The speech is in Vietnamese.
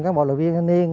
các bộ đoàn viên thanh niên